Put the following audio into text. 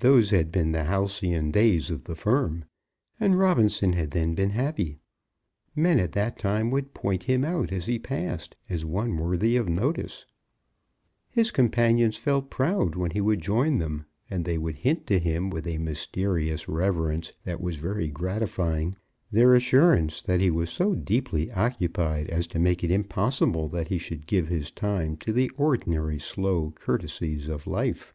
Those had been the halcyon days of the firm, and Robinson had then been happy. Men at that time would point him out as he passed, as one worthy of notice; his companions felt proud when he would join them; and they would hint to him, with a mysterious reverence that was very gratifying, their assurance that he was so deeply occupied as to make it impossible that he should give his time to the ordinary slow courtesies of life.